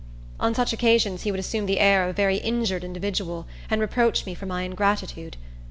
On such occasions he would assume the air of a very injured individual, and reproach me for my ingratitude.